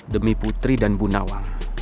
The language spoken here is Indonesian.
demi putri dan bu nawang